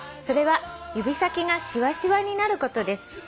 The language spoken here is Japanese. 「それは指先がしわしわになることです」